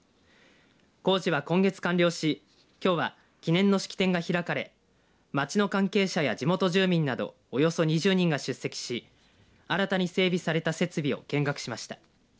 工事は今月完了しきょうは記念の式典が開かれ町の関係者や地元住民などおよそ２０人が出席し新たに整備された設備を見学しました。